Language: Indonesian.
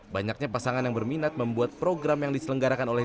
banyaknya pasangan yang berminat membuat program yang diselenggarakan oleh